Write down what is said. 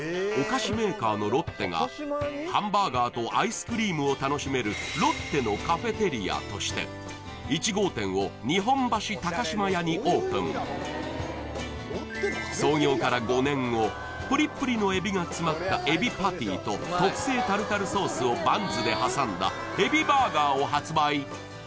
お菓子メーカーのロッテがハンバーガーとアイスクリームを楽しめるロッテのカフェテリアとして１号店を日本橋島屋にオープン創業から５年後プリプリのエビが詰まったエビパティと特製タルタルソースをバンズで挟んだエビバーガーを発売